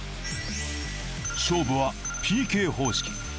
勝負はＰＫ方式。